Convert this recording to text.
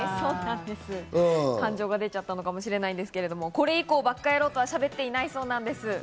感情が出ちゃったのかもしれないんですけど、これ以降、ばっかやろとはしゃべっていないそうなんです。